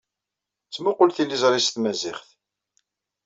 Ttmuqqul tiliẓri s tmaziɣt.